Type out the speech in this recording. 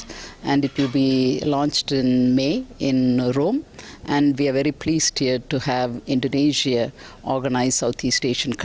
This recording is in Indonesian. dan akan diluncurkan di mei di roma dan kami sangat senang untuk indonesia memulai perusahaan di negara negara asing